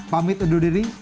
pamit undur diri